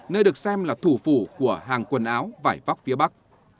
nơi được xem là thủ phủ của hàng quần áo vải vóc phía bắc